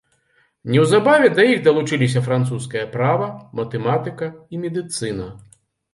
Неўзабаве да іх далучыліся французскае права, матэматыка і медыцына.